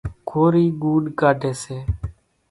ڪورِي ڳوُڏ ڪاڍيَ سي۔